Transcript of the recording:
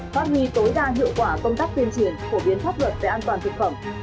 phát huy tối đa hiệu quả công tác tiên triển phổ biến pháp luật về an toàn thực phẩm